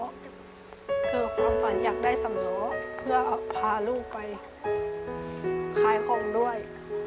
ก็คือความฝันอยากได้สำล้อเพื่อพาลูกไปขายของด้วย